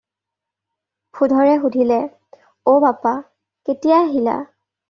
ভূধৰে সুধিলে- "অ' বাপা! কেতিয়া আহিলা?"